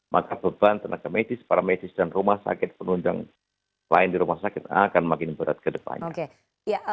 maka beban tenaga medis para medis dan rumah sakit penunjang lain di rumah sakit akan makin berat ke depannya